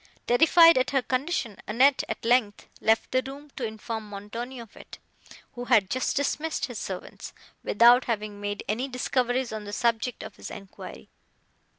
Terrified at her condition, Annette, at length, left the room, to inform Montoni of it, who had just dismissed his servants, without having made any discoveries on the subject of his enquiry.